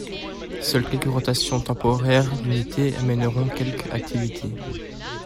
Seules quelques rotations temporaires d'unités amèneront quelque activité.